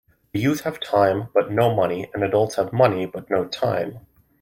The youth have time but no money and adults have money but no time.